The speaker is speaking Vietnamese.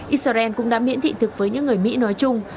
israel cũng đã miễn thị thực với những người mỹ nói chung